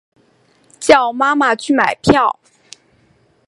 叫妈妈去买票